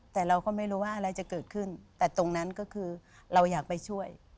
แต่เราก็ไม่รู้ว่าอะไรจะเกิดขึ้นแต่ตรงนั้นก็คือเราอยากไปช่วย